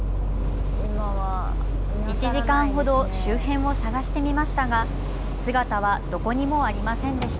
１時間ほど周辺を探してみましたが姿はどこにもありませんでした。